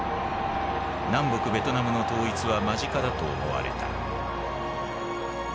南北ベトナムの統一は間近だと思われた。